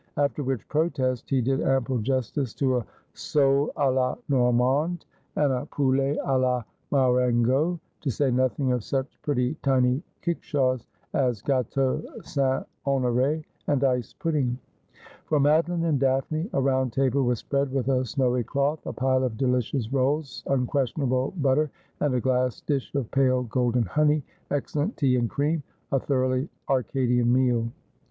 After which protest he did ample justice to a sole d la Normande, and a ' But I wot best wher wringeth Me my Sho.' 279 poulet d la Marengo, to say nothing of such pretty tiny kick shaws as gateau St. Honore and ice pudding. For Madoline and Daphne a round table was spread with a snowy cloth, a pile of delicious rolls, unquestionable butter, and a glass dish of pale golden honey, excellent tea, and cream — a thoroughly Arcadian meal.